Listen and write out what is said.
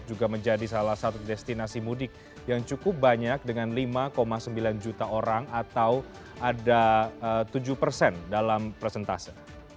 juga menjadi salah satu destinasi mudik yang cukup banyak dengan lima sembilan juta orang atau ada tujuh persen dalam presentase